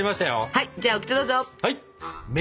はい！